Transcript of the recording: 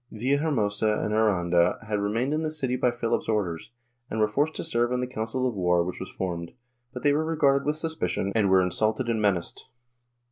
Villahermosa and Aranda had remained in the city by PhiHp's orders, and were forced to serve on the council of war which was formed, but they were regarded with suspicion and were insulted and menaced.